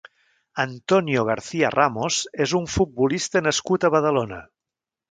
Antonio García Ramos és un futbolista nascut a Badalona.